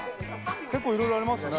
結構いろいろありますね。